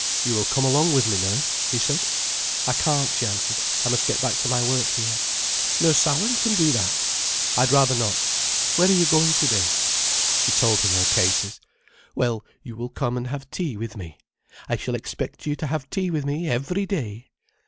"You will come along with me now?" he said. "I can't," she answered. "I must get back to my work here." "Nurse Allen can do that." "I'd rather not." "Where are you going today?" She told him her cases. "Well, you will come and have tea with me. I shall expect you to have tea with me every day."